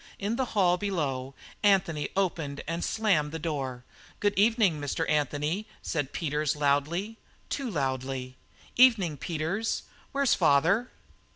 In the hall below, Anthony opened and slammed the door. "Good evening, Mr. Anthony," said Peters loudly, too loudly. "Evening, Peters. Where's father?"